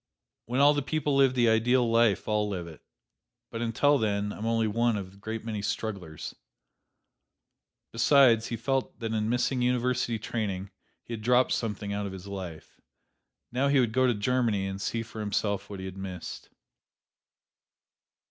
"When all the people live the ideal life, I'll live it; but until then I'm only one of the great many strugglers." Besides, he felt that in missing university training he had dropped something out of his life. Now he would go to Germany and see for himself what he had missed.